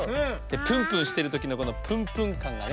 プンプンしてるときのこのプンプンかんがね。